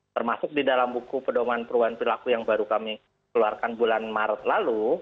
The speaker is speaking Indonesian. termasuk di dalam buku pedoman perubahan perilaku yang baru kami keluarkan bulan maret lalu